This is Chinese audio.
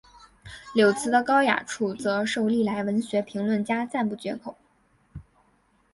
柳词的高雅处则受历来文学评论家赞不绝口。